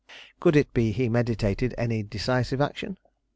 Could it be he meditated any decisive action?